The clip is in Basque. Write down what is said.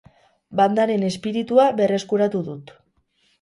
Bandaren espiritua berreskuratu dut.